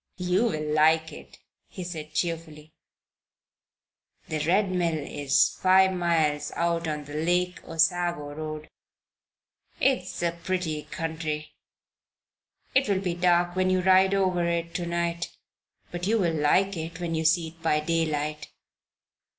You will like it," he said, cheerfully. "The Red Mill is five miles out on the Lake Osago Road. It is a pretty country. It will be dark when you ride over it to night; but you will like it when you see it by daylight."